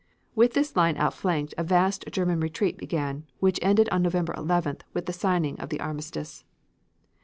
With this line outflanked a vast German retreat began, which ended on November 11th with the signing of the armistice.